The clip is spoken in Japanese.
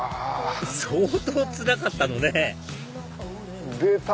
相当つらかったのね出た！